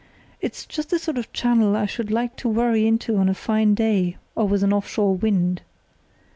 It's just the sort of channel I should like to worry into on a fine day or with an off shore wind.